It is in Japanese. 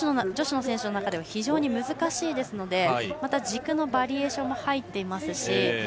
女子の選手の中では非常に難しいですのでまた軸のバリエーションも入っていますし。